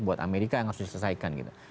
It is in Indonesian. buat amerika yang harus diselesaikan gitu